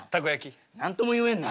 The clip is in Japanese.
何とも言えんな。